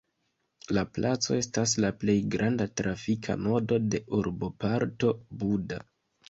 La placo estas la plej granda trafika nodo de urboparto Buda.